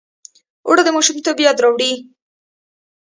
اوړه د ماشومتوب یاد راوړي